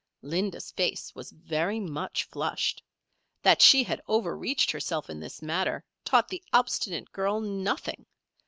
Linda's face was very much flushed. That she had overreached herself in this matter, taught the obstinate girl nothing.